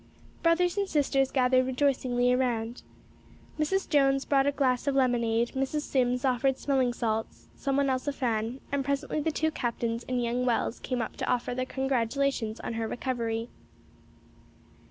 Brothers and sisters gathered rejoicingly around. Mrs. Jones brought a glass of lemonade, Mrs. Sims offered smelling salts, some one else a fan, and presently the two captains and young Wells came up to offer their congratulations on her recovery.